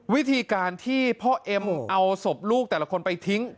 วิธีการที่พ่อเอ็มเอาศพลูกแต่ละคนไปทิ้ง